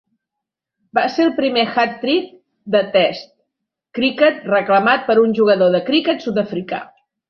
Va ser el primer hat-trick de Test cricket reclamat per un jugador de cricket sudafricà.